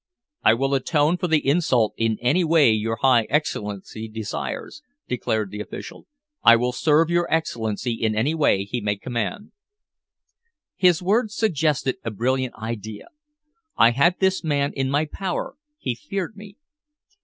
"I will atone for the insult in any way your high Excellency desires," declared the official. "I will serve your Excellency in any way he may command." His words suggested a brilliant idea. I had this man in my power; he feared me.